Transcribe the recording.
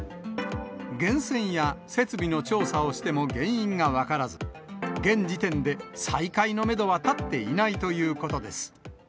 源泉や設備の調査をしても原因が分からず、現時点で再開のメドは立っていないということです。